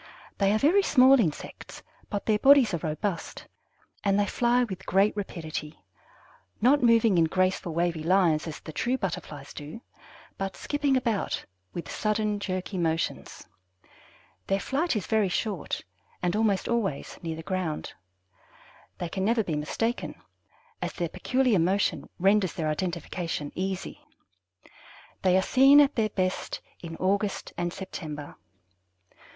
They are very small insects, but their bodies are robust, and they fly with great rapidity, not moving in graceful, wavy lines as the true Butterflies do, but skipping about with sudden, jerky motions. Their flight is very short, and almost always near the ground. They can never be mistaken, as their peculiar motion renders their identification easy. They are seen at their best in August and September.